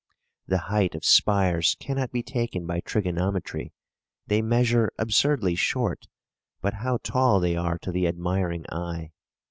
The height of spires cannot be taken by trigonometry; they measure absurdly short, but how tall they are to the admiring eye!